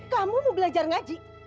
kamu mau belajar ngaji